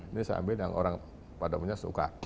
ini saya ambil yang orang pada umumnya suka